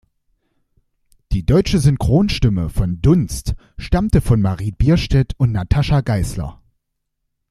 Die deutsche Synchronstimme von Dunst stammt von Marie Bierstedt und Natascha Geisler.